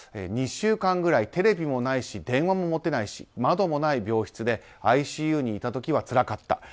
２週間ぐらいテレビもないし電話も持てないし窓もない病室でＩＣＵにいた時はつらかった。